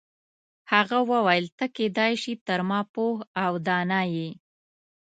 هغه وویل ته کیدای شي تر ما پوه او دانا یې.